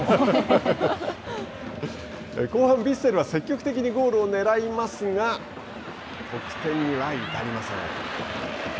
後半ヴィッセルは積極的にゴールをねらいますが得点には至りません。